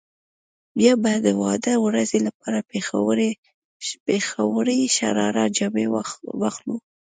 بيا به د واده ورځې لپاره پيښورۍ شراره جامې واخلو.